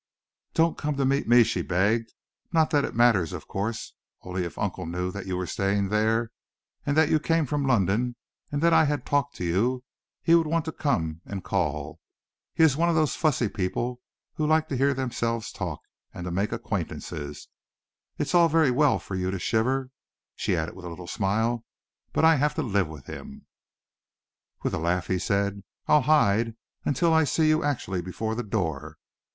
"Don't come to meet me," she begged, "not that it matters, of course, only if uncle knew that you were staying there, and that you came from London, and that I had talked to you, he would want to come and call. He is one of those fussy people who like to hear themselves talk, and to make acquaintances. It's all very well for you to shiver," she added, with a little smile, "but I have to live with him." With a laugh he said: "I'll hide, until I see you actually before the door.